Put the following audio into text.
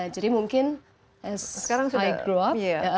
jadi mungkin as i grow up